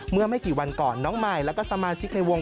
เมื่อไม่กี่วันก่อนน้องมายแล้วก็สมาชิกในวง